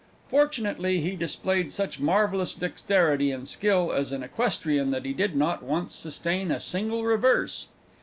Fortunately, he displayed such marvellous dexterity and skill as an equestrian that he did not once sustain a single reverse!